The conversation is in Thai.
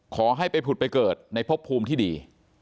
ขอให้ไปผุดไปเกิดในพบภูมิที่ดี